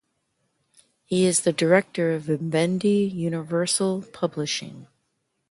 He is the Director of Vivendi Universal Publishing.